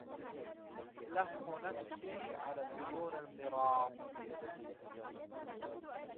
لهف نفسي على العيون المراض